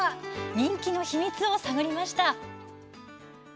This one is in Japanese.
人気の秘密を探りました。